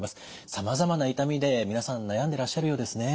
さまざまな痛みで皆さん悩んでらっしゃるようですね。